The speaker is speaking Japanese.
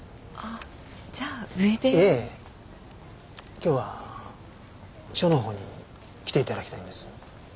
今日は署のほうに来て頂きたいんです。